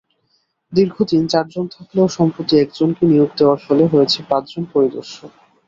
দীর্ঘবছর চারজন থাকলেও সম্প্রতি একজনকে নিয়োগ দেওয়ার ফলে হয়েছে পাঁচজন পরিদর্শক।